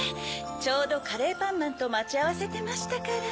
ちょうどカレーパンマンとまちあわせてましたから。